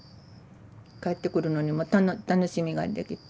帰ってくるのにも楽しみができて。